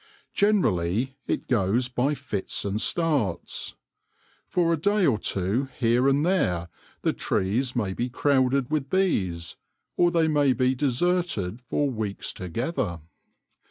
Generally it goes by fits and starts. For a day or two here and there the trees may be crowded with bees, or they may be deserted for weeks together.